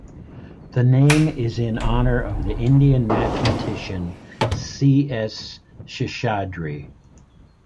The name is in honour of the Indian mathematician C. S. Seshadri.